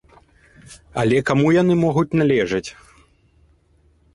Але каму яны могуць належаць?